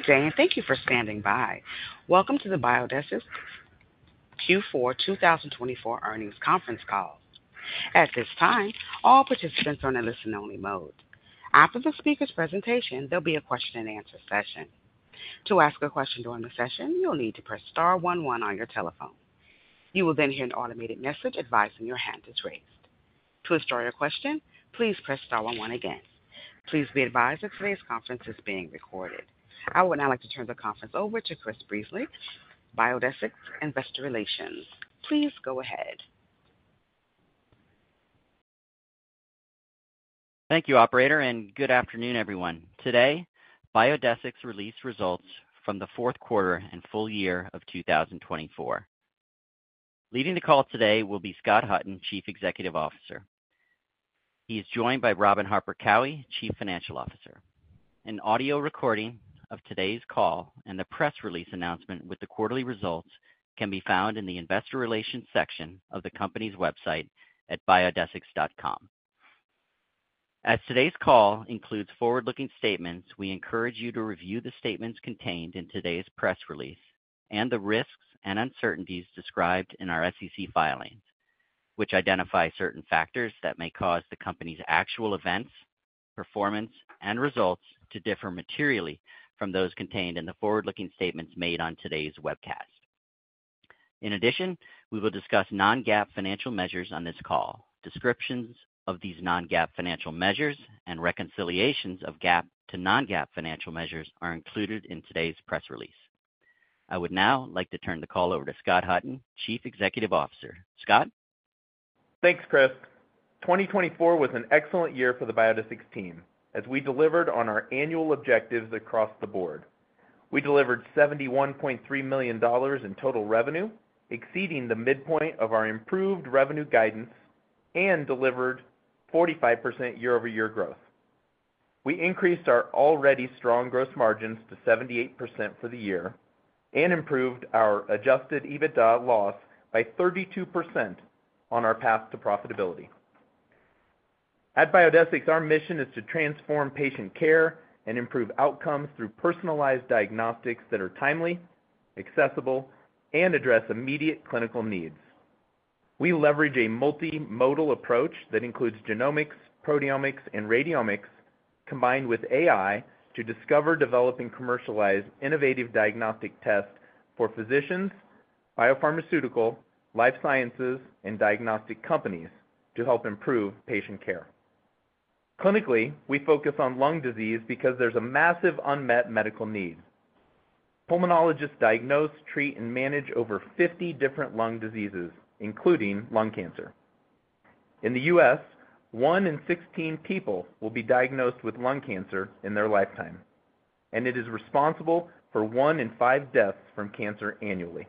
Good day, and thank you for standing by. Welcome to the Biodesix Q4 2024 earnings conference call. At this time, all participants are in a listen-only mode. After the speaker's presentation, there'll be a question-and-answer session. To ask a question during the session, you'll need to press star one one on your telephone. You will then hear an automated message advising your hand to trace. To start your question, please press star one one again. Please be advised that today's conference is being recorded. I would now like to turn the conference over to Chris Brinzey, Biodesix Investor Relations. Please go ahead. Thank you, Operator, and good afternoon, everyone. Today, Biodesix released results from the fourth quarter and full year of 2024. Leading the call today will be Scott Hutton, Chief Executive Officer. He is joined by Robin Harper Cowie, Chief Financial Officer. An audio recording of today's call and the press release announcement with the quarterly results can be found in the Investor Relations section of the company's website at biodesix.com. As today's call includes forward-looking statements, we encourage you to review the statements contained in today's press release and the risks and uncertainties described in our SEC filings, which identify certain factors that may cause the company's actual events, performance, and results to differ materially from those contained in the forward-looking statements made on today's webcast. In addition, we will discuss non-GAAP financial measures on this call. Descriptions of these non-GAAP financial measures and reconciliations of GAAP to non-GAAP financial measures are included in today's press release. I would now like to turn the call over to Scott Hutton, Chief Executive Officer. Scott? Thanks, Chris. 2024 was an excellent year for the Biodesix team as we delivered on our annual objectives across the board. We delivered $71.3 million in total revenue, exceeding the midpoint of our improved revenue guidance, and delivered 45% year-over-year growth. We increased our already strong gross margins to 78% for the year and improved our adjusted EBITDA loss by 32% on our path to profitability. At Biodesix, our mission is to transform patient care and improve outcomes through personalized diagnostics that are timely, accessible, and address immediate clinical needs. We leverage a multimodal approach that includes genomics, proteomics, and radiomics, combined with AI to discover, develop, and commercialize innovative diagnostic tests for physicians, biopharmaceutical, life sciences, and diagnostic companies to help improve patient care. Clinically, we focus on lung disease because there's a massive unmet medical need. Pulmonologists diagnose, treat, and manage over 50 different lung diseases, including lung cancer. In the U.S., one in 16 people will be diagnosed with lung cancer in their lifetime, and it is responsible for one in five deaths from cancer annually.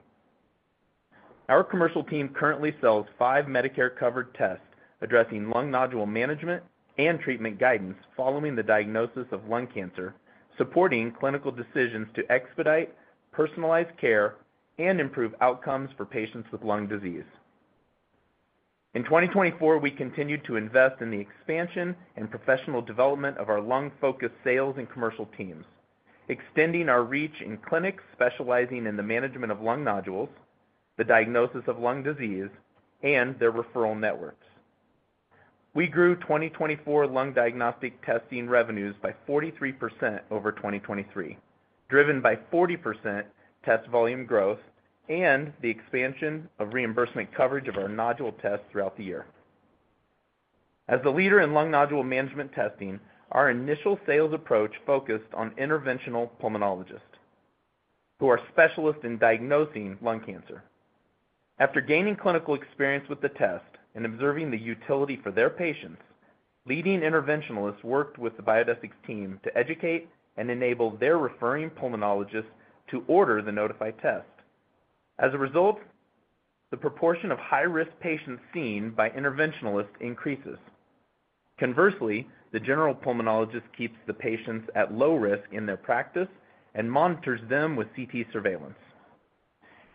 Our commercial team currently sells five Medicare-covered tests addressing lung nodule management and treatment guidance following the diagnosis of lung cancer, supporting clinical decisions to expedite, personalize care, and improve outcomes for patients with lung disease. In 2024, we continued to invest in the expansion and professional development of our lung-focused sales and commercial teams, extending our reach in clinics specializing in the management of lung nodules, the diagnosis of lung disease, and their referral networks. We grew 2024 lung diagnostic testing revenues by 43% over 2023, driven by 40% test volume growth and the expansion of reimbursement coverage of our nodule tests throughout the year. As the leader in lung nodule management testing, our initial sales approach focused on interventional pulmonologists who are specialists in diagnosing lung cancer. After gaining clinical experience with the test and observing the utility for their patients, leading interventionalists worked with the Biodesix team to educate and enable their referring pulmonologists to order the Nodify test. As a result, the proportion of high-risk patients seen by interventionalists increases. Conversely, the general pulmonologist keeps the patients at low risk in their practice and monitors them with CT surveillance.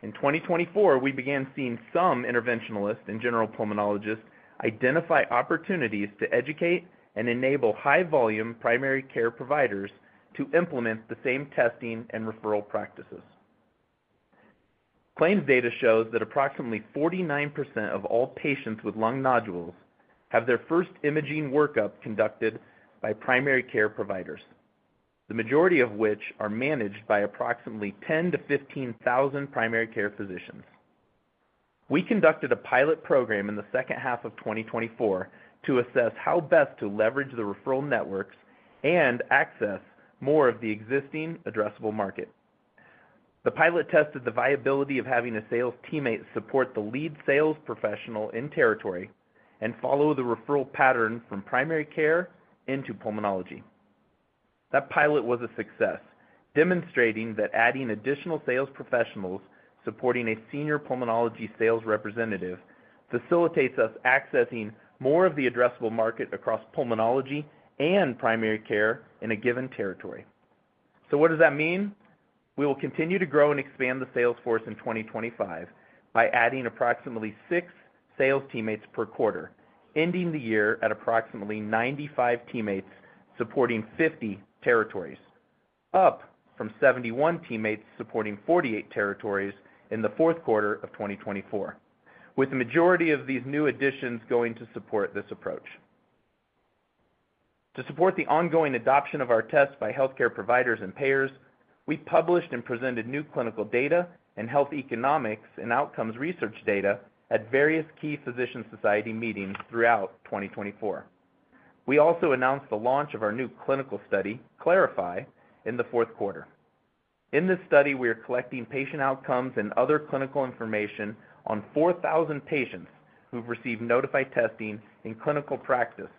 In 2024, we began seeing some interventionalists and general pulmonologists identify opportunities to educate and enable high-volume primary care providers to implement the same testing and referral practices. Claims data shows that approximately 49% of all patients with lung nodules have their first imaging workup conducted by primary care providers, the majority of which are managed by approximately 10,000 to 15,000 primary care physicians. We conducted a pilot program in the second half of 2024 to assess how best to leverage the referral networks and access more of the existing addressable market. The pilot tested the viability of having a sales teammate support the lead sales professional in territory and follow the referral pattern from primary care into pulmonology. That pilot was a success, demonstrating that adding additional sales professionals supporting a senior pulmonology sales representative facilitates us accessing more of the addressable market across pulmonology and primary care in a given territory. What does that mean? We will continue to grow and expand the sales force in 2025 by adding approximately six sales teammates per quarter, ending the year at approximately 95 teammates supporting 50 territories, up from 71 teammates supporting 48 territories in the fourth quarter of 2024, with the majority of these new additions going to support this approach. To support the ongoing adoption of our tests by healthcare providers and payers, we published and presented new clinical data and health economics and outcomes research data at various key physician society meetings throughout 2024. We also announced the launch of our new clinical study, Clarify, in the fourth quarter. In this study, we are collecting patient outcomes and other clinical information on 4,000 patients who've received Nodify testing in clinical practice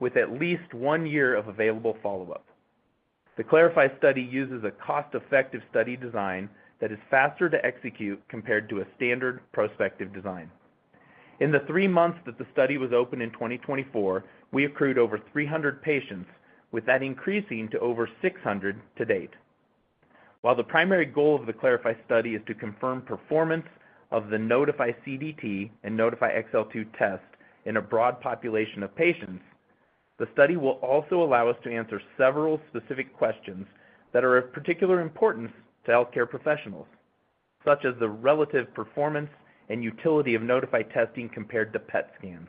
with at least one year of available follow-up. The Clarify study uses a cost-effective study design that is faster to execute compared to a standard prospective design. In the three months that the study was open in 2024, we accrued over 300 patients, with that increasing to over 600 to date. While the primary goal of the Clarify study is to confirm performance of the Nodify CDT and Nodify XL2 test in a broad population of patients, the study will also allow us to answer several specific questions that are of particular importance to healthcare professionals, such as the relative performance and utility of Nodify testing compared to PET scans.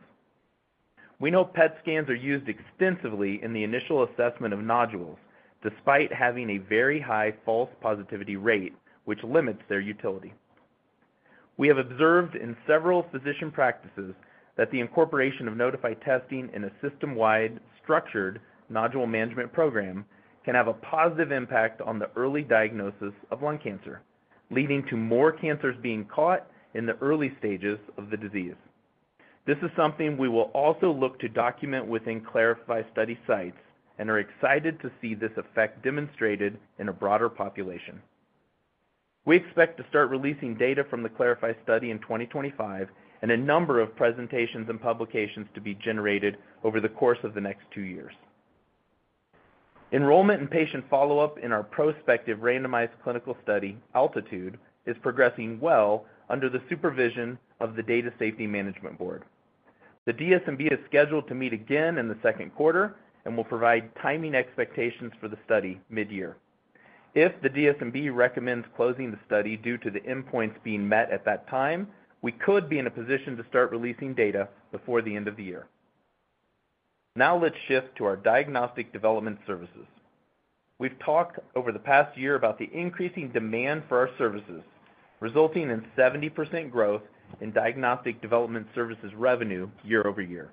We know PET scans are used extensively in the initial assessment of nodules, despite having a very high false positivity rate, which limits their utility. We have observed in several physician practices that the incorporation of Nodify testing in a system-wide structured nodule management program can have a positive impact on the early diagnosis of lung cancer, leading to more cancers being caught in the early stages of the disease. This is something we will also look to document within Clarify study sites and are excited to see this effect demonstrated in a broader population. We expect to start releasing data from the Clarify study in 2025 and a number of presentations and publications to be generated over the course of the next two years. Enrollment and patient follow-up in our prospective randomized clinical study, Altitude, is progressing well under the supervision of the Data Safety Monitoring Board. The DSMB is scheduled to meet again in the second quarter and will provide timing expectations for the study mid-year. If the DSMB recommends closing the study due to the endpoints being met at that time, we could be in a position to start releasing data before the end of the year. Now let's shift to our diagnostic development services. We've talked over the past year about the increasing demand for our services, resulting in 70% growth in diagnostic development services revenue year-over-year,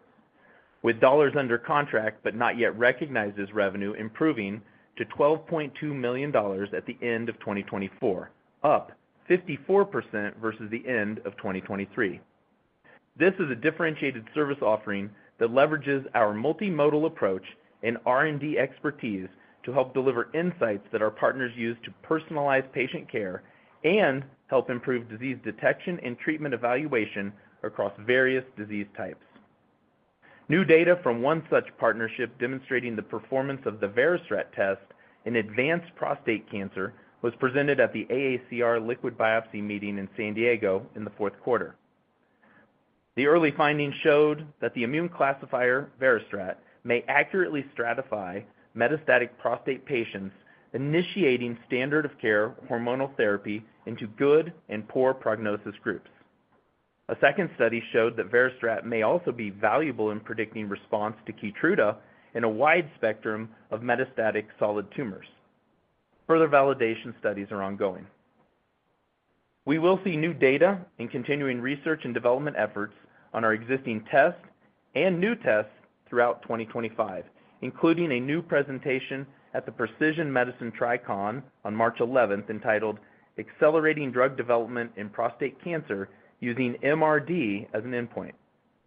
with dollars under contract but not yet recognized as revenue improving to $12.2 million at the end of 2024, up 54% versus the end of 2023. This is a differentiated service offering that leverages our multimodal approach and R&D expertise to help deliver insights that our partners use to personalize patient care and help improve disease detection and treatment evaluation across various disease types. New data from one such partnership demonstrating the performance of the VeriStrat test in advanced prostate cancer was presented at the AACR liquid biopsy meeting in San Diego in the fourth quarter. The early findings showed that the immune classifier VeriStrat may accurately stratify metastatic prostate patients, initiating standard-of-care hormonal therapy into good and poor prognosis groups. A second study showed that VeriStrat may also be valuable in predicting response to Keytruda in a wide spectrum of metastatic solid tumors. Further validation studies are ongoing. We will see new data and continuing research and development efforts on our existing tests and new tests throughout 2025, including a new presentation at the Precision Medicine Tri-Con on March 11th entitled "Accelerating Drug Development in Prostate Cancer Using MRD as an Endpoint."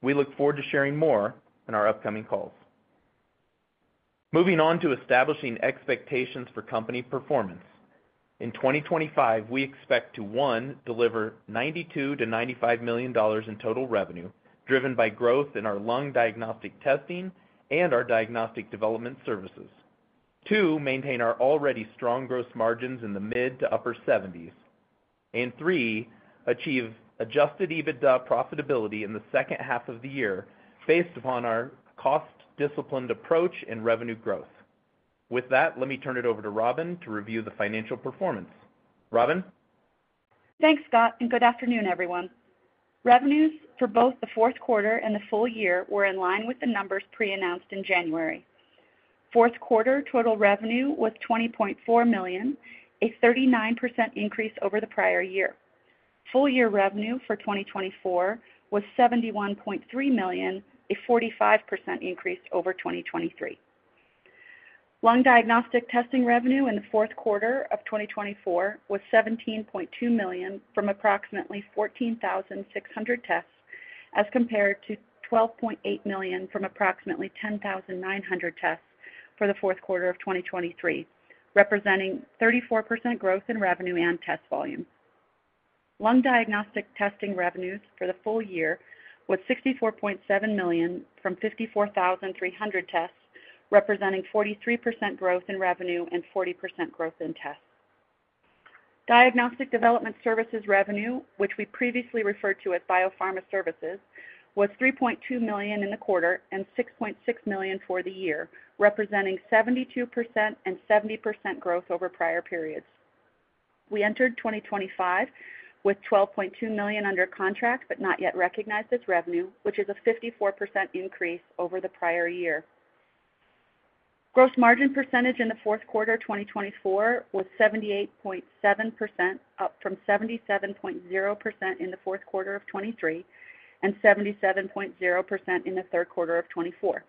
We look forward to sharing more in our upcoming calls. Moving on to establishing expectations for company performance. In 2025, we expect to, one, deliver $92 to $95 million in total revenue driven by growth in our lung diagnostic testing and our diagnostic development services, two, maintain our already strong gross margins in the mid to upper 70%, and three, achieve adjusted EBITDA profitability in the second half of the year based upon our cost-disciplined approach and revenue growth. With that, let me turn it over to Robin to review the financial performance. Robin? Thanks, Scott, and good afternoon, everyone. Revenues for both the fourth quarter and the full year were in line with the numbers pre-announced in January. Fourth quarter total revenue was $20.4 million, a 39% increase over the prior year. Full year revenue for 2024 was $71.3 million, a 45% increase over 2023. Lung diagnostic testing revenue in the fourth quarter of 2024 was $17.2 million from approximately 14,600 tests, as compared to $12.8 million from approximately 10,900 tests for the fourth quarter of 2023, representing 34% growth in revenue and test volume. Lung diagnostic testing revenues for the full year were $64.7 million from 54,300 tests, representing 43% growth in revenue and 40% growth in tests. Diagnostic development services revenue, which we previously referred to as biopharma services, was $3.2 million in the quarter and $6.6 million for the year, representing 72% and 70% growth over prior periods. We entered 2025 with $12.2 million under contract but not yet recognized as revenue, which is a 54% increase over the prior year. Gross margin percentage in the fourth quarter of 2024 was 78.7%, up from 77.0% in the fourth quarter of 2023 and 77.0% in the third quarter of 2024.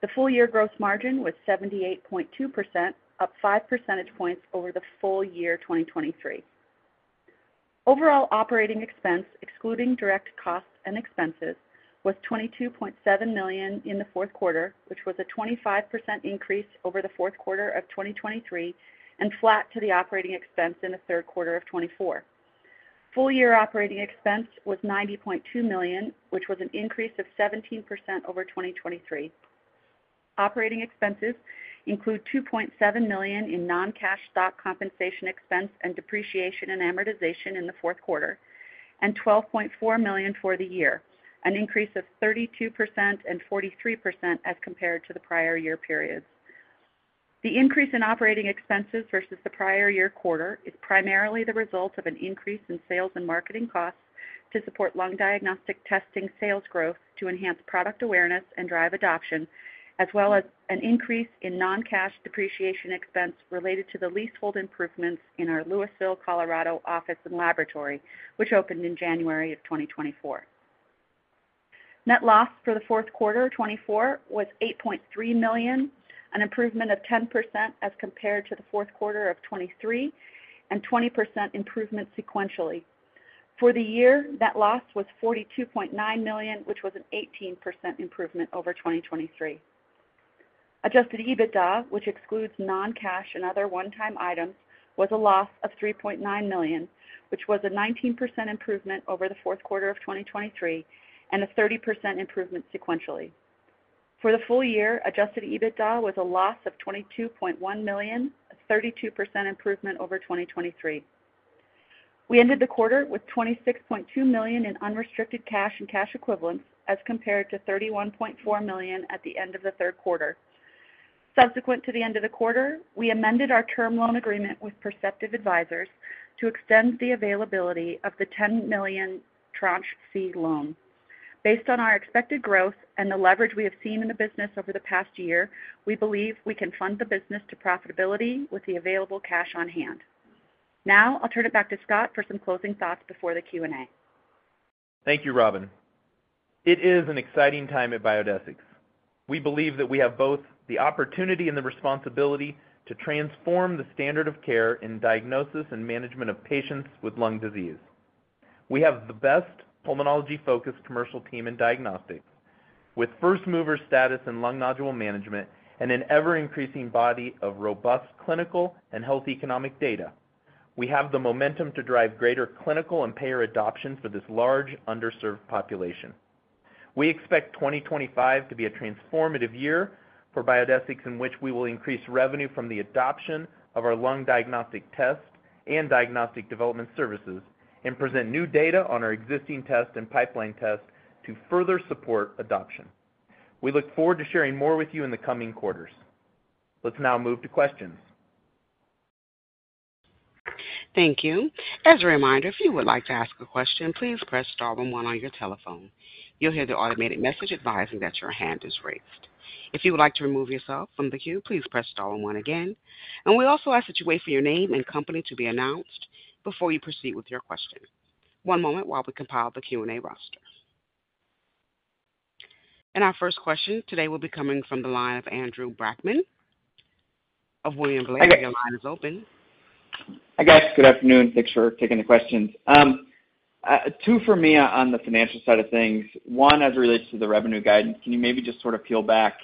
The full year gross margin was 78.2%, up 5 percentage points over the full year 2023. Overall operating expense, excluding direct costs and expenses, was $22.7 million in the fourth quarter, which was a 25% increase over the fourth quarter of 2023 and flat to the operating expense in the third quarter of 2024. Full year operating expense was $90.2 million, which was an increase of 17% over 2023. Operating expenses include $2.7 million in non-cash stock compensation expense and depreciation and amortization in the fourth quarter and $12.4 million for the year, an increase of 32% and 43% as compared to the prior year periods. The increase in operating expenses versus the prior year quarter is primarily the result of an increase in sales and marketing costs to support lung diagnostic testing sales growth to enhance product awareness and drive adoption, as well as an increase in non-cash depreciation expense related to the leasehold improvements in our Louisville, Colorado office and laboratory, which opened in January of 2024. Net loss for the fourth quarter of 2024 was $8.3 million, an improvement of 10% as compared to the fourth quarter of 2023 and 20% improvement sequentially. For the year, net loss was $42.9 million, which was an 18% improvement over 2023. Adjusted EBITDA, which excludes non-cash and other one-time items, was a loss of $3.9 million, which was a 19% improvement over the fourth quarter of 2023 and a 30% improvement sequentially. For the full year, adjusted EBITDA was a loss of $22.1 million, a 32% improvement over 2023. We ended the quarter with $26.2 million in unrestricted cash and cash equivalents as compared to $31.4 million at the end of the third quarter. Subsequent to the end of the quarter, we amended our term loan agreement with Perceptive Advisors to extend the availability of the $10 million tranche C loan. Based on our expected growth and the leverage we have seen in the business over the past year, we believe we can fund the business to profitability with the available cash on hand. Now I'll turn it back to Scott for some closing thoughts before the Q&A. Thank you, Robin. It is an exciting time at Biodesix. We believe that we have both the opportunity and the responsibility to transform the standard of care in diagnosis and management of patients with lung disease. We have the best pulmonology-focused commercial team in diagnostics. With first-mover status in lung nodule management and an ever-increasing body of robust clinical and health economic data, we have the momentum to drive greater clinical and payer adoption for this large, underserved population. We expect 2025 to be a transformative year for Biodesix, in which we will increase revenue from the adoption of our lung diagnostic test and diagnostic development services and present new data on our existing test and pipeline test to further support adoption. We look forward to sharing more with you in the coming quarters. Let's now move to questions. Thank you. As a reminder, if you would like to ask a question, please press star one one on your telephone. You'll hear the automated message advising that your hand is raised. If you would like to remove yourself from the queue, please press star one one again. We also ask that you wait for your name and company to be announced before you proceed with your question. One moment while we compile the Q&A roster. Our first question today will be coming from the line of Andrew Brackmann of William Blair. Your line is open. Hi, guys. Good afternoon. Thanks for taking the questions. Two for me on the financial side of things. One, as it relates to the revenue guidance, can you maybe just sort of peel back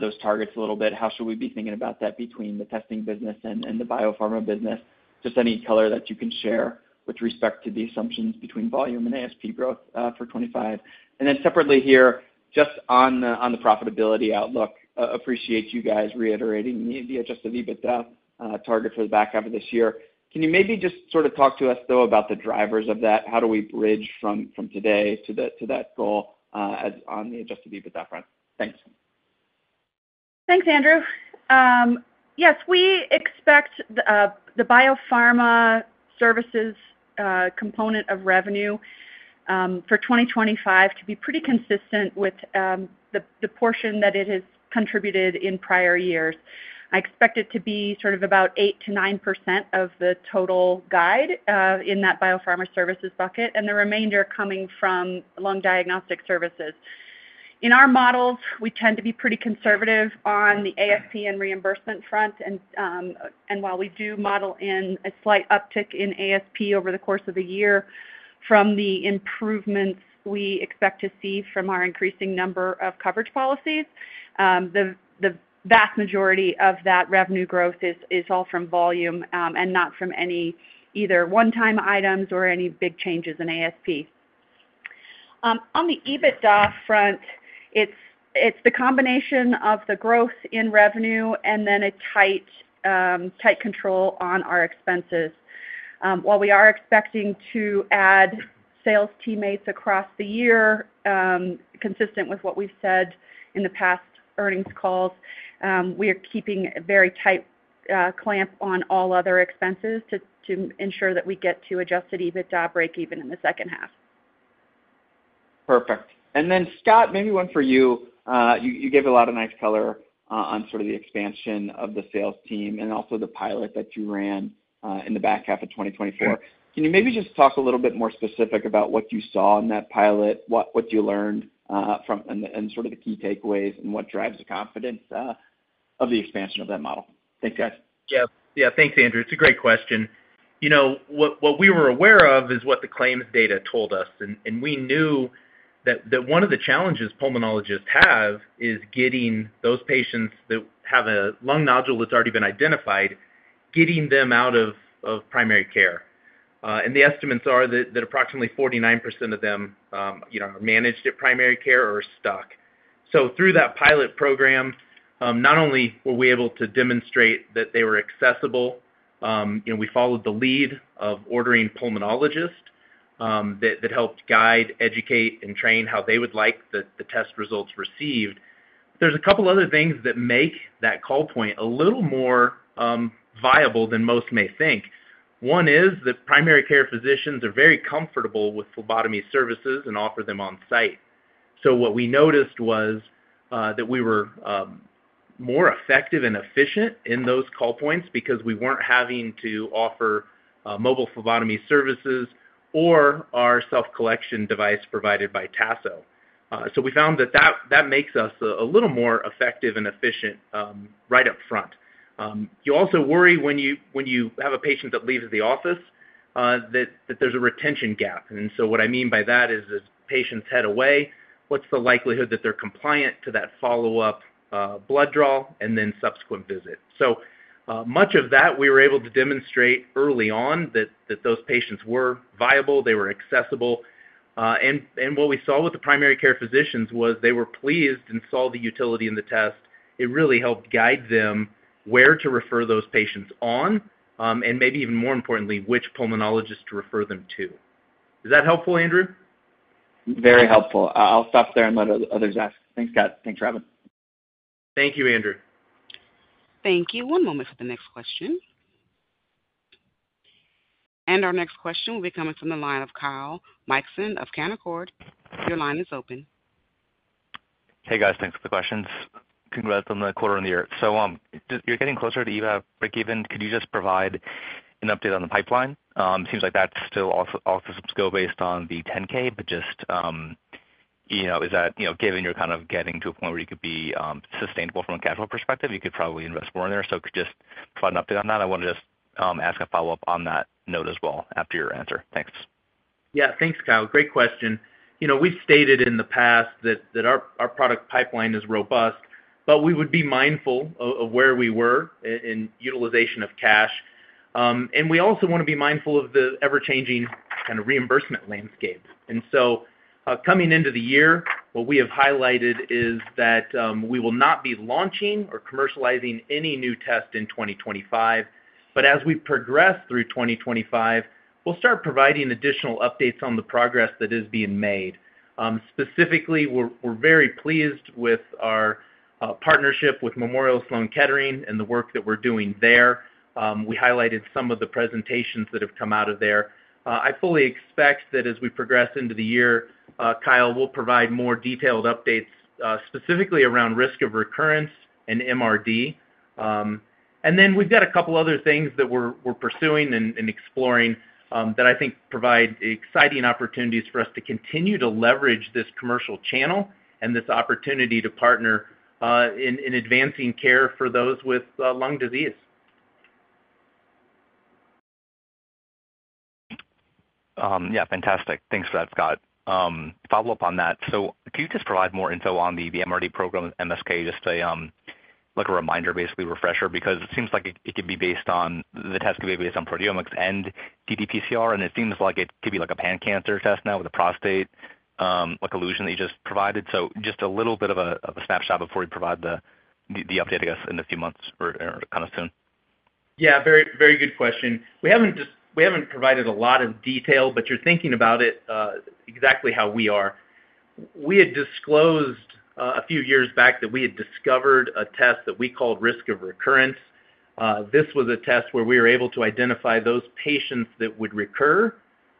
those targets a little bit? How should we be thinking about that between the testing business and the biopharma business? Just any color that you can share with respect to the assumptions between volume and ASP growth for 2025. Then separately here, just on the profitability outlook, appreciate you guys reiterating the adjusted EBITDA target for the back half of this year. Can you maybe just sort of talk to us, though, about the drivers of that? How do we bridge from today to that goal on the adjusted EBITDA front? Thanks. Thanks, Andrew. Yes, we expect the biopharma services component of revenue for 2025 to be pretty consistent with the portion that it has contributed in prior years. I expect it to be sort of about 8% to 9% of the total guide in that biopharma services bucket, and the remainder coming from lung diagnostic services. In our models, we tend to be pretty conservative on the ASP and reimbursement front. While we do model in a slight uptick in ASP over the course of the year from the improvements we expect to see from our increasing number of coverage policies, the vast majority of that revenue growth is all from volume and not from any either one-time items or any big changes in ASP. On the EBITDA front, it's the combination of the growth in revenue and then a tight control on our expenses. While we are expecting to add sales teammates across the year, consistent with what we've said in the past earnings calls, we are keeping a very tight clamp on all other expenses to ensure that we get to adjusted EBITDA break-even in the second half. Perfect. Scott, maybe one for you. You gave a lot of nice color on sort of the expansion of the sales team and also the pilot that you ran in the back half of 2024. Can you maybe just talk a little bit more specific about what you saw in that pilot, what you learned from, and sort of the key takeaways, and what drives the confidence of the expansion of that model? Thanks, guys. Yeah. Yeah, thanks, Andrew. It's a great question. You know, what we were aware of is what the claims data told us. We knew that one of the challenges pulmonologists have is getting those patients that have a lung nodule that's already been identified, getting them out of primary care. The estimates are that approximately 49% of them are managed at primary care or stuck. Through that pilot program, not only were we able to demonstrate that they were accessible, we followed the lead of ordering pulmonologists that helped guide, educate, and train how they would like the test results received. There's a couple of other things that make that call point a little more viable than most may think. One is that primary care physicians are very comfortable with phlebotomy services and offer them on-site. What we noticed was that we were more effective and efficient in those call points because we were not having to offer mobile phlebotomy services or our self-collection device provided by Tasso. We found that that makes us a little more effective and efficient right up front. You also worry when you have a patient that leaves the office that there is a retention gap. What I mean by that is, as patients head away, what is the likelihood that they are compliant to that follow-up blood draw and then subsequent visit? Much of that, we were able to demonstrate early on that those patients were viable, they were accessible. What we saw with the primary care physicians was they were pleased and saw the utility in the test. It really helped guide them where to refer those patients on and maybe even more importantly, which pulmonologist to refer them to. Is that helpful, Andrew? Very helpful. I'll stop there and let others ask. Thanks, Scott. Thanks, Robin. Thank you, Andrew. Thank you. One moment for the next question. Our next question will be coming from the line of Kyle Mikson of Canaccord. Your line is open. Hey, guys. Thanks for the questions. Congrats on the quarter on the air. You're getting closer to EBITDA break-even. Could you just provide an update on the pipeline? It seems like that's still off the scope based on the 10-K, but just is that given you're kind of getting to a point where you could be sustainable from a cash flow perspective, you could probably invest more in there. Could you just provide an update on that? I want to just ask a follow-up on that note as well after your answer. Thanks. Yeah. Thanks, Kyle. Great question. You know, we've stated in the past that our product pipeline is robust, but we would be mindful of where we were in utilization of cash. We also want to be mindful of the ever-changing kind of reimbursement landscape. Coming into the year, what we have highlighted is that we will not be launching or commercializing any new test in 2025. As we progress through 2025, we'll start providing additional updates on the progress that is being made. Specifically, we're very pleased with our partnership with Memorial Sloan Kettering and the work that we're doing there. We highlighted some of the presentations that have come out of there. I fully expect that as we progress into the year, Kyle, we'll provide more detailed updates specifically around risk of recurrence and MRD. We have a couple of other things that we're pursuing and exploring that I think provide exciting opportunities for us to continue to leverage this commercial channel and this opportunity to partner in advancing care for those with lung disease. Yeah. Fantastic. Thanks for that, Scott. Follow-up on that. Could you just provide more info on the MRD program with MSK, just like a reminder, basically refresher, because it seems like it could be based on the test could be based on proteomics and ddPCR, and it seems like it could be like a pan-cancer test now with a prostate allusion that you just provided. Just a little bit of a snapshot before you provide the update, I guess, in a few months or kind of soon. Yeah. Very good question. We have not provided a lot of detail, but you are thinking about it exactly how we are. We had disclosed a few years back that we had discovered a test that we called risk of recurrence. This was a test where we were able to identify those patients that would recur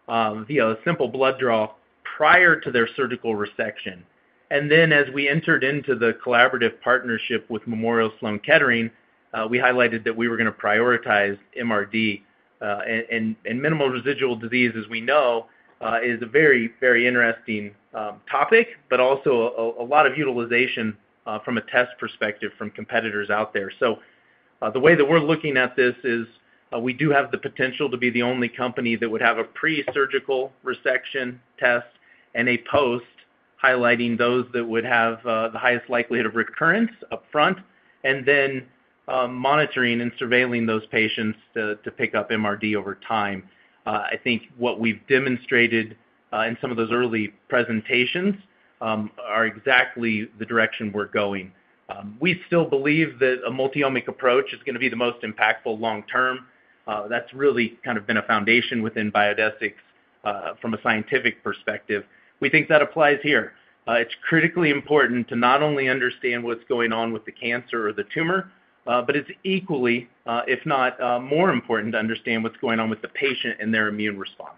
via a simple blood draw prior to their surgical resection. As we entered into the collaborative partnership with Memorial Sloan Kettering, we highlighted that we were going to prioritize MRD. Minimal residual disease, as we know, is a very, very interesting topic, but also a lot of utilization from a test perspective from competitors out there. The way that we're looking at this is we do have the potential to be the only company that would have a pre-surgical resection test and a post, highlighting those that would have the highest likelihood of recurrence upfront, and then monitoring and surveilling those patients to pick up MRD over time. I think what we've demonstrated in some of those early presentations are exactly the direction we're going. We still believe that a multi-omic approach is going to be the most impactful long-term. That's really kind of been a foundation within Biodesix from a scientific perspective. We think that applies here. It's critically important to not only understand what's going on with the cancer or the tumor, but it's equally, if not more important, to understand what's going on with the patient and their immune response.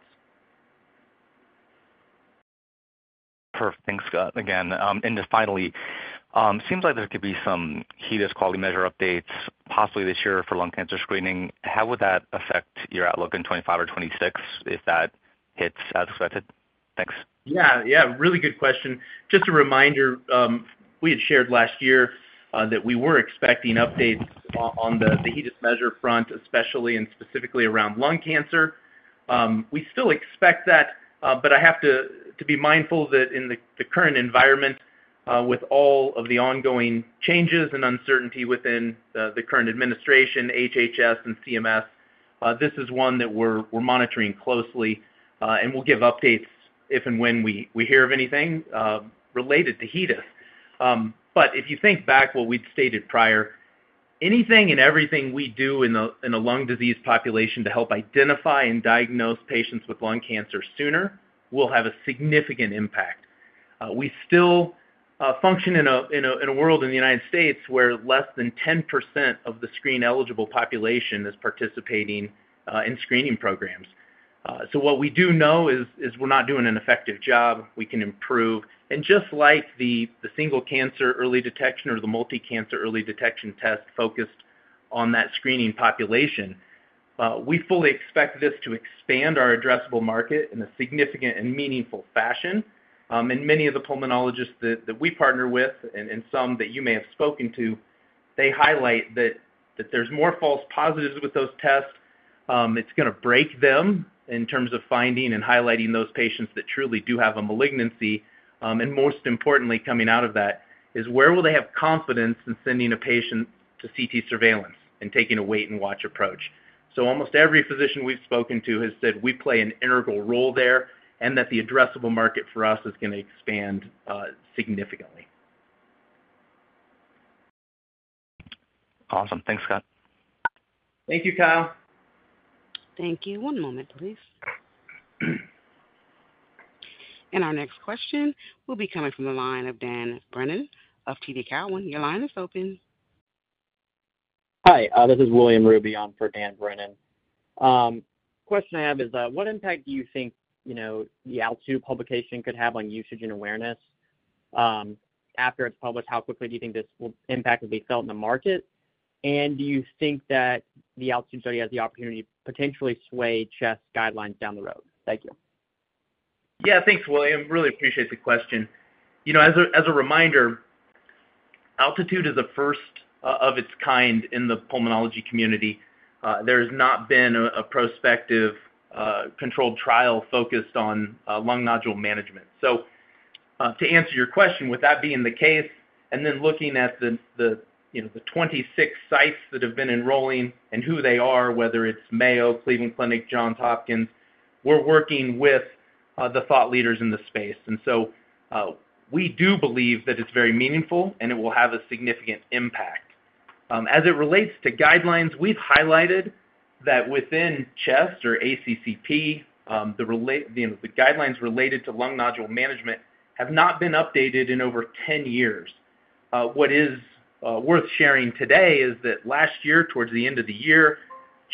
Perfect. Thanks, Scott, again. Finally, it seems like there could be some HEDIS quality measure updates possibly this year for lung cancer screening. How would that affect your outlook in 2025 or 2026 if that hits as expected? Thanks. Yeah. Yeah. Really good question. Just a reminder, we had shared last year that we were expecting updates on the HEDIS measure front, especially and specifically around lung cancer. We still expect that, but I have to be mindful that in the current environment, with all of the ongoing changes and uncertainty within the current administration, HHS and CMS, this is one that we're monitoring closely. We'll give updates if and when we hear of anything related to HEDIS. If you think back what we'd stated prior, anything and everything we do in a lung disease population to help identify and diagnose patients with lung cancer sooner will have a significant impact. We still function in a world in the United States where less than 10% of the screen-eligible population is participating in screening programs. What we do know is we're not doing an effective job. We can improve. Just like the single cancer early detection or the multi-cancer early detection test focused on that screening population, we fully expect this to expand our addressable market in a significant and meaningful fashion. Many of the pulmonologists that we partner with and some that you may have spoken to highlight that there's more false positives with those tests. It's going to break them in terms of finding and highlighting those patients that truly do have a malignancy. Most importantly, coming out of that is where will they have confidence in sending a patient to CT surveillance and taking a wait-and-watch approach? Almost every physician we've spoken to has said we play an integral role there and that the addressable market for us is going to expand significantly. Awesome. Thanks, Scott. Thank you, Kyle. Thank you. One moment, please. Our next question will be coming from the line of Dan Brennan of TD Cowen. Your line is open. Hi. This is William Ruby on for Dan Brennan. Question I have is, what impact do you think the Altitude publication could have on usage and awareness? After it's published, how quickly do you think this impact will be felt in the market? Do you think that the Altitude study has the opportunity to potentially sway CHEST guidelines down the road? Thank you. Yeah. Thanks, William. Really appreciate the question. As a reminder, Altitude is a first of its kind in the pulmonology community. There has not been a prospective controlled trial focused on lung nodule management. To answer your question, with that being the case, and then looking at the 26 sites that have been enrolling and who they are, whether it's Mayo, Cleveland Clinic, Johns Hopkins, we're working with the thought leaders in the space. We do believe that it's very meaningful and it will have a significant impact. As it relates to guidelines, we've highlighted that within CHEST or ACCP, the guidelines related to lung nodule management have not been updated in over 10 years. What is worth sharing today is that last year, towards the end of the year,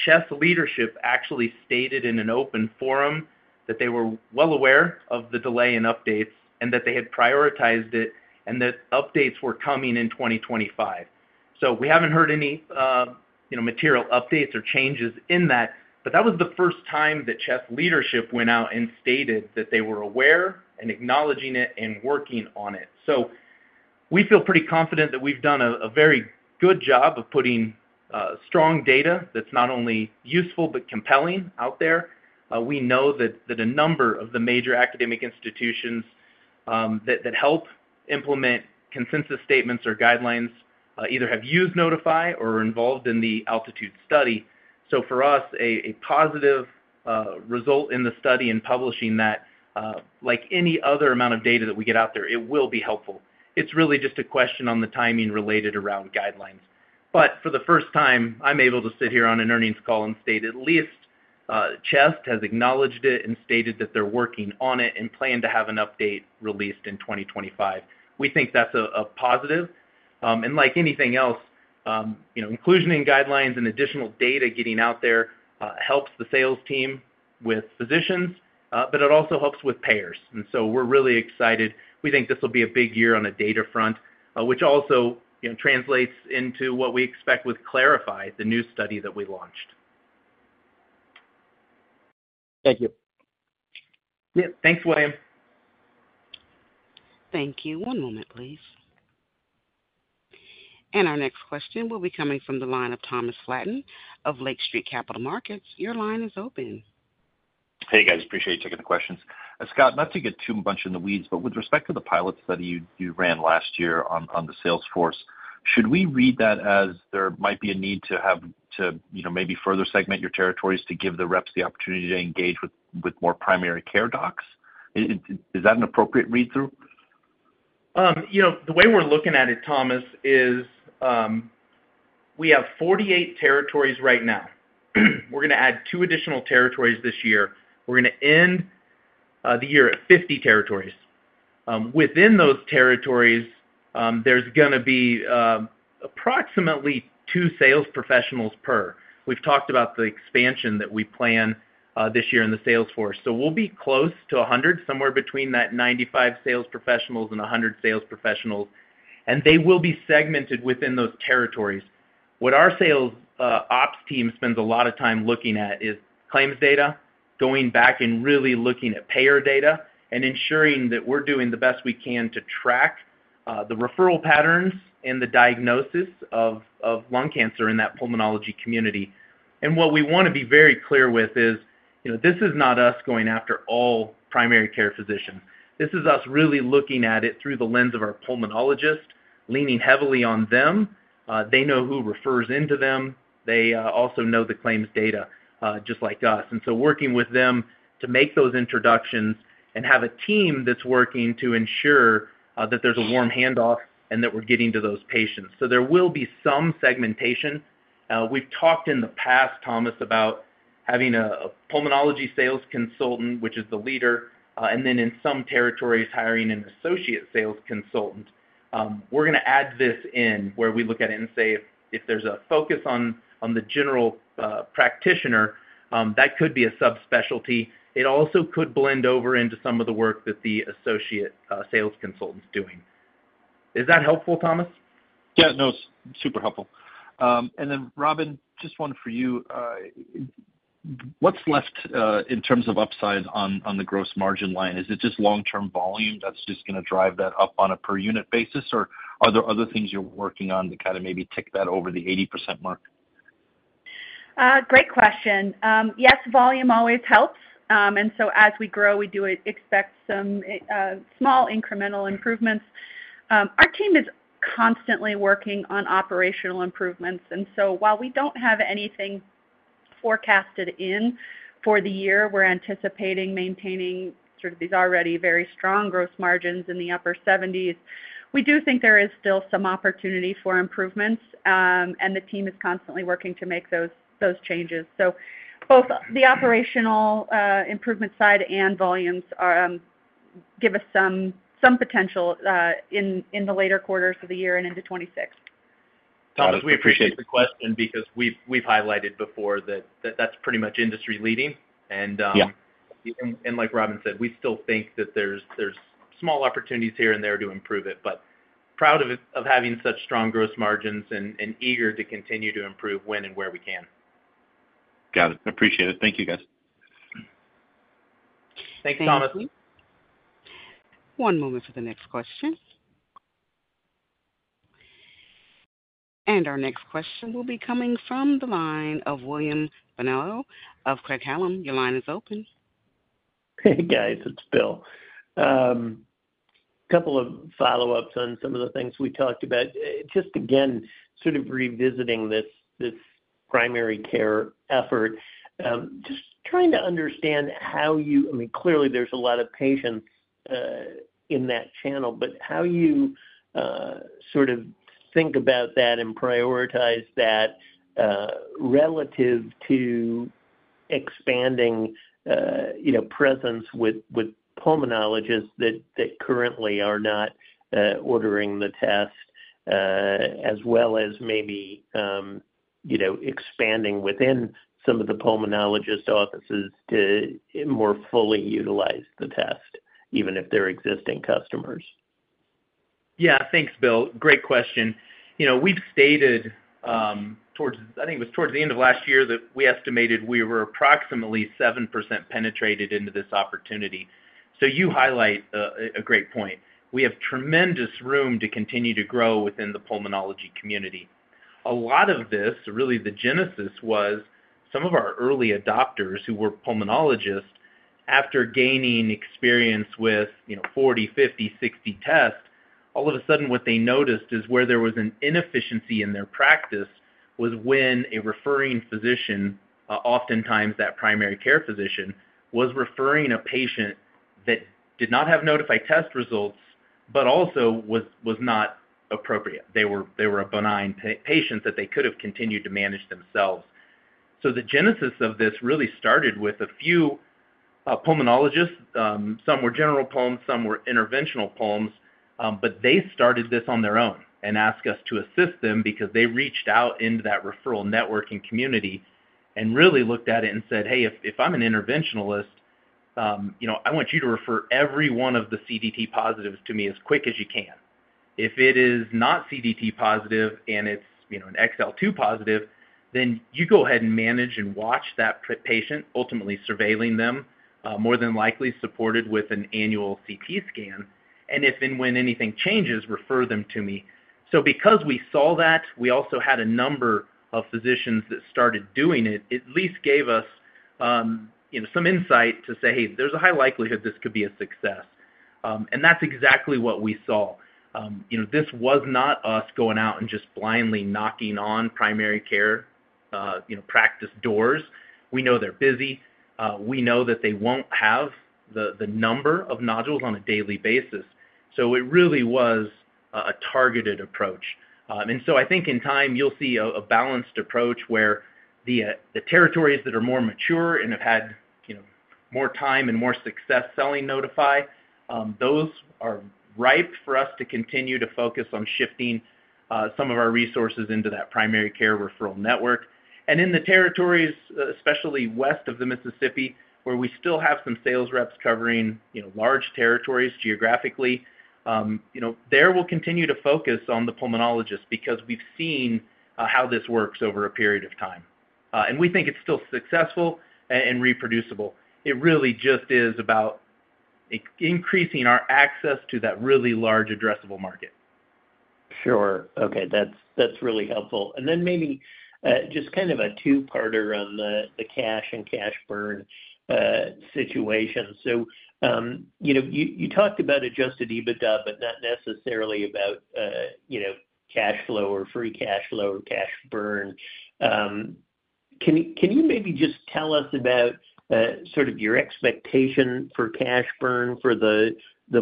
CHEST leadership actually stated in an open forum that they were well aware of the delay in updates and that they had prioritized it and that updates were coming in 2025. We haven't heard any material updates or changes in that, but that was the first time that CHEST leadership went out and stated that they were aware and acknowledging it and working on it. We feel pretty confident that we've done a very good job of putting strong data that's not only useful but compelling out there. We know that a number of the major academic institutions that help implement consensus statements or guidelines either have used Nodify or are involved in the Altitude study. For us, a positive result in the study and publishing that, like any other amount of data that we get out there, it will be helpful. It's really just a question on the timing related around guidelines. For the first time, I'm able to sit here on an earnings call and state at least CHEST has acknowledged it and stated that they're working on it and plan to have an update released in 2025. We think that's a positive. Like anything else, inclusion in guidelines and additional data getting out there helps the sales team with physicians, but it also helps with payers. We're really excited. We think this will be a big year on a data front, which also translates into what we expect with Clarify, the new study that we launched. Thank you. Yeah. Thanks, William. Thank you. One moment, please. Our next question will be coming from the line of Thomas Flaten of Lake Street Capital Markets. Your line is open. Hey, guys. Appreciate you taking the questions. Scott, not to get too much in the weeds, but with respect to the pilot study you ran last year on the sales force, should we read that as there might be a need to maybe further segment your territories to give the reps the opportunity to engage with more primary care docs? Is that an appropriate read-through? The way we're looking at it, Thomas, is we have 48 territories right now. We're going to add two additional territories this year. We're going to end the year at 50 territories. Within those territories, there's going to be approximately two sales professionals per. We've talked about the expansion that we plan this year in the sales force. We'll be close to 100, somewhere between that 95 sales professionals and 100 sales professionals. They will be segmented within those territories. What our sales ops team spends a lot of time looking at is claims data, going back and really looking at payer data and ensuring that we're doing the best we can to track the referral patterns and the diagnosis of lung cancer in that pulmonology community. What we want to be very clear with is this is not us going after all primary care physicians. This is us really looking at it through the lens of our pulmonologist, leaning heavily on them. They know who refers into them. They also know the claims data just like us. Working with them to make those introductions and have a team that's working to ensure that there's a warm handoff and that we're getting to those patients. There will be some segmentation. We've talked in the past, Thomas, about having a pulmonology sales consultant, which is the leader, and then in some territories hiring an associate sales consultant. We're going to add this in where we look at it and say if there's a focus on the general practitioner, that could be a subspecialty. It also could blend over into some of the work that the associate sales consultant's doing. Is that helpful, Thomas? Yeah. No, it's super helpful. And then, Robin, just one for you. What's left in terms of upside on the gross margin line? Is it just long-term volume that's just going to drive that up on a per-unit basis, or are there other things you're working on to kind of maybe tick that over the 80% mark? Great question. Yes, volume always helps. As we grow, we do expect some small incremental improvements. Our team is constantly working on operational improvements. While we do not have anything forecasted in for the year, we are anticipating maintaining sort of these already very strong gross margins in the upper 70%. We do think there is still some opportunity for improvements, and the team is constantly working to make those changes. Both the operational improvement side and volumes give us some potential in the later quarters of the year and into 2026. Thomas, we appreciate the question because we've highlighted before that that's pretty much industry-leading. Like Robin said, we still think that there's small opportunities here and there to improve it, but proud of having such strong gross margins and eager to continue to improve when and where we can. Got it. Appreciate it. Thank you, guys. Thanks, Thomas. One moment for the next question. Our next question will be coming from the line of William Bonello of Craig-Hallum. Your line is open. Hey, guys. It's Bill. A couple of follow-ups on some of the things we talked about. Just again, sort of revisiting this primary care effort, just trying to understand how you—I mean, clearly, there's a lot of patients in that channel, but how you sort of think about that and prioritize that relative to expanding presence with pulmonologists that currently are not ordering the test, as well as maybe expanding within some of the pulmonologist offices to more fully utilize the test, even if they're existing customers. Yeah. Thanks, Bill. Great question. We've stated towards—I think it was towards the end of last year that we estimated we were approximately 7% penetrated into this opportunity. You highlight a great point. We have tremendous room to continue to grow within the pulmonology community. A lot of this, really the genesis was some of our early adopters who were pulmonologists, after gaining experience with 40, 50, 60 tests, all of a sudden what they noticed is where there was an inefficiency in their practice was when a referring physician, oftentimes that primary care physician, was referring a patient that did not have Nodify test results but also was not appropriate. They were a benign patient that they could have continued to manage themselves. The genesis of this really started with a few pulmonologists. Some were general pulms, some were interventional pulms, but they started this on their own and asked us to assist them because they reached out into that referral networking community and really looked at it and said, "Hey, if I'm an interventionalist, I want you to refer every one of the CDT positives to me as quick as you can. If it is not CDT positive and it's an XL2 positive, then you go ahead and manage and watch that patient, ultimately surveilling them, more than likely supported with an annual CT scan. If and when anything changes, refer them to me." Because we saw that, we also had a number of physicians that started doing it, at least gave us some insight to say, "Hey, there's a high likelihood this could be a success." That's exactly what we saw. This was not us going out and just blindly knocking on primary care practice doors. We know they're busy. We know that they won't have the number of nodules on a daily basis. It really was a targeted approach. I think in time you'll see a balanced approach where the territories that are more mature and have had more time and more success selling Nodify, those are ripe for us to continue to focus on shifting some of our resources into that primary care referral network. In the territories, especially west of the Mississippi, where we still have some sales reps covering large territories geographically, there we'll continue to focus on the pulmonologist because we've seen how this works over a period of time. We think it's still successful and reproducible. It really just is about increasing our access to that really large addressable market. Sure. Okay. That's really helpful. Maybe just kind of a two-parter on the cash and cash burn situation. You talked about adjusted EBITDA, but not necessarily about cash flow or free cash flow or cash burn. Can you maybe just tell us about sort of your expectation for cash burn for the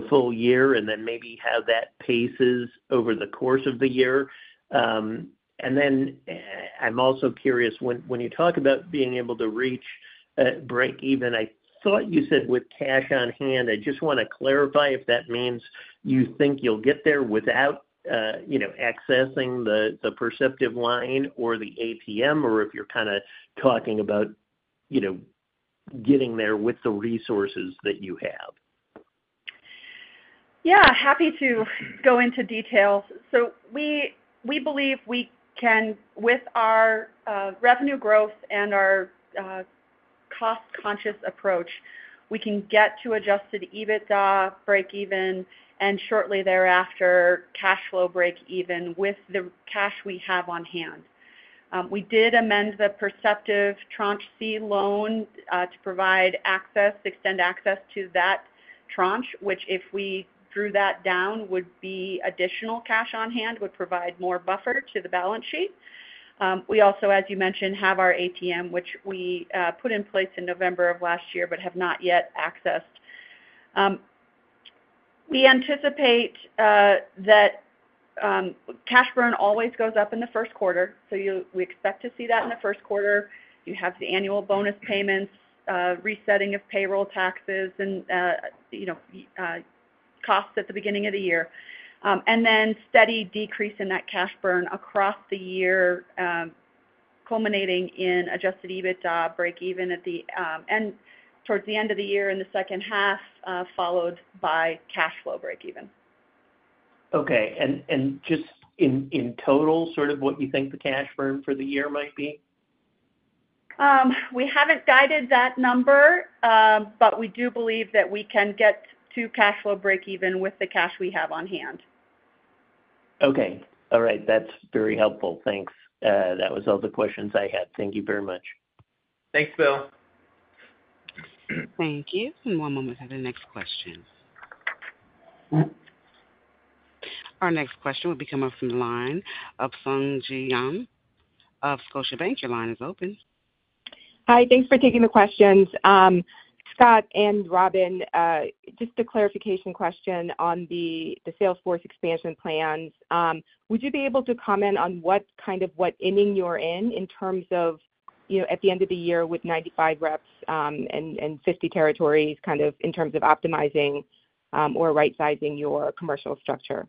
full year and then maybe how that paces over the course of the year? I'm also curious, when you talk about being able to reach break-even, I thought you said with cash on hand. I just want to clarify if that means you think you'll get there without accessing the Perceptive line or the ATM, or if you're kind of talking about getting there with the resources that you have. Yeah. Happy to go into detail. We believe we can, with our revenue growth and our cost-conscious approach, get to adjusted EBITDA break-even, and shortly thereafter, cash flow break-even with the cash we have on hand. We did amend the Perceptive tranche C loan to provide access, extend access to that tranche, which if we drew that down would be additional cash on hand, would provide more buffer to the balance sheet. We also, as you mentioned, have our ATM, which we put in place in November of last year but have not yet accessed. We anticipate that cash burn always goes up in the first quarter. We expect to see that in the first quarter. You have the annual bonus payments, resetting of payroll taxes, and costs at the beginning of the year. is a steady decrease in that cash burn across the year, culminating in adjusted EBITDA break-even at the end towards the end of the year in the second half, followed by cash flow break-even. Okay. Just in total, sort of what you think the cash burn for the year might be? We haven't guided that number, but we do believe that we can get to cash flow break-even with the cash we have on hand. Okay. All right. That's very helpful. Thanks. That was all the questions I had. Thank you very much. Thanks, Bill. Thank you. One moment for the next question. Our next question will be coming from the line of Sung Ji Nam of Scotiabank. Your line is open. Hi. Thanks for taking the questions. Scott and Robin, just a clarification question on the sales force expansion plans. Would you be able to comment on what kind of what ending you're in in terms of at the end of the year with 95 reps and 50 territories kind of in terms of optimizing or right-sizing your commercial structure?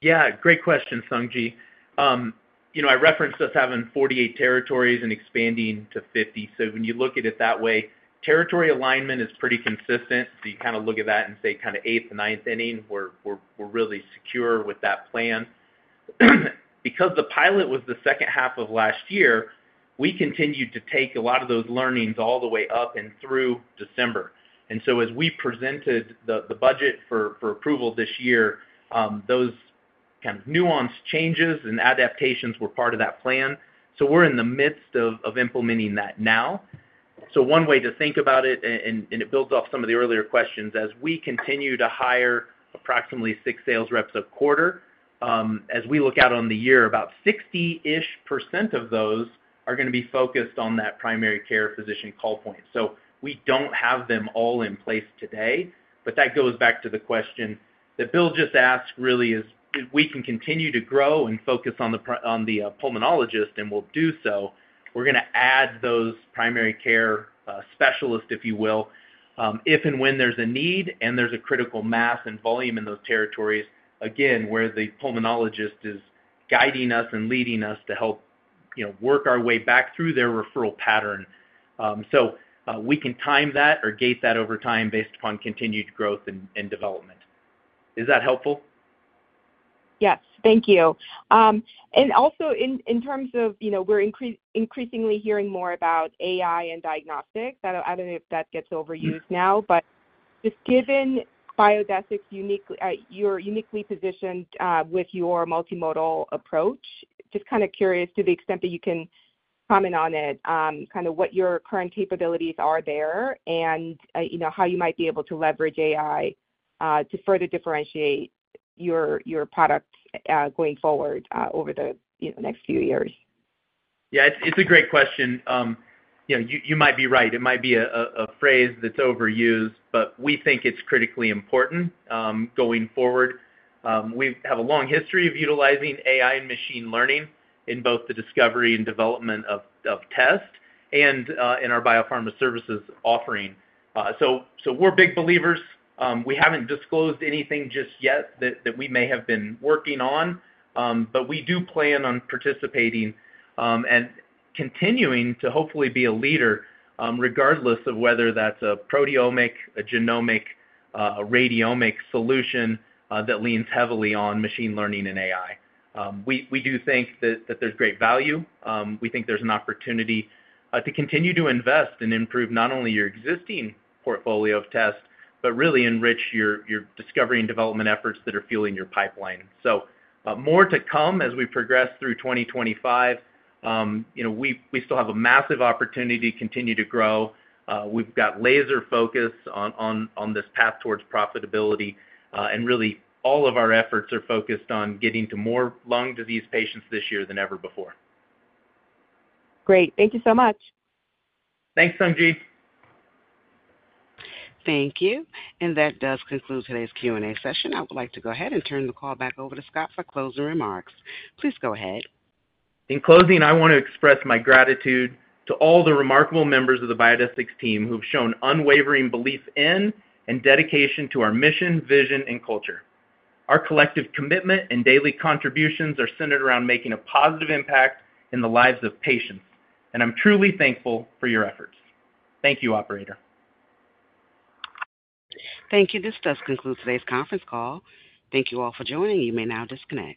Yeah. Great question, Sung Ji. I referenced us having 48 territories and expanding to 50. When you look at it that way, territory alignment is pretty consistent. You kind of look at that and say kind of eighth, ninth inning, we're really secure with that plan. Because the pilot was the second half of last year, we continued to take a lot of those learnings all the way up and through December. As we presented the budget for approval this year, those kind of nuanced changes and adaptations were part of that plan. We're in the midst of implementing that now. One way to think about it, and it builds off some of the earlier questions, as we continue to hire approximately six sales reps a quarter, as we look out on the year, about 60% of those are going to be focused on that primary care physician call point. We do not have them all in place today, but that goes back to the question that Bill just asked really is if we can continue to grow and focus on the pulmonologist, and we will do so, we are going to add those primary care specialists, if you will, if and when there is a need and there is a critical mass and volume in those territories, again, where the pulmonologist is guiding us and leading us to help work our way back through their referral pattern. We can time that or gate that over time based upon continued growth and development. Is that helpful? Yes. Thank you. Also, in terms of we're increasingly hearing more about AI and diagnostics. I don't know if that gets overused now, but just given Biodesix's unique, you're uniquely positioned with your multimodal approach, just kind of curious to the extent that you can comment on it, kind of what your current capabilities are there and how you might be able to leverage AI to further differentiate your product going forward over the next few years. Yeah. It's a great question. You might be right. It might be a phrase that's overused, but we think it's critically important going forward. We have a long history of utilizing AI and machine learning in both the discovery and development of test and in our biopharma services offering. So we're big believers. We haven't disclosed anything just yet that we may have been working on, but we do plan on participating and continuing to hopefully be a leader regardless of whether that's a proteomic, a genomic, a radiomic solution that leans heavily on machine learning and AI. We do think that there's great value. We think there's an opportunity to continue to invest and improve not only your existing portfolio of tests, but really enrich your discovery and development efforts that are fueling your pipeline. More to come as we progress through 2025. We still have a massive opportunity to continue to grow. We've got laser focus on this path towards profitability. Really, all of our efforts are focused on getting to more lung disease patients this year than ever before. Great. Thank you so much. Thanks, Sung Ji. Thank you. That does conclude today's Q&A session. I would like to go ahead and turn the call back over to Scott for closing remarks. Please go ahead. In closing, I want to express my gratitude to all the remarkable members of the Biodesix team who've shown unwavering belief in and dedication to our mission, vision, and culture. Our collective commitment and daily contributions are centered around making a positive impact in the lives of patients. I am truly thankful for your efforts. Thank you, Operator. Thank you. This does conclude today's conference call. Thank you all for joining. You may now disconnect.